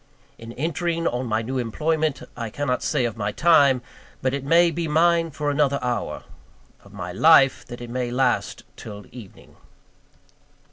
In entering on my new employment, I cannot say of my time, that it may be mine for another hour; of my life, that it may last till evening.